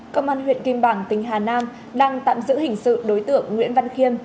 cơ quan huyện kim bảng tỉnh hà nam đang tạm giữ hình sự đối tượng nguyễn văn khiêm